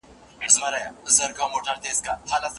باروتي زلفو دې دومره راگير کړی